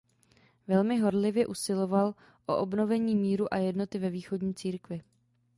Velmi horlivě usiloval o obnovení míru a jednoty ve východní církvi.